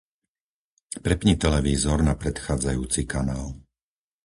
Prepni televízor na predchádzajúci kanál.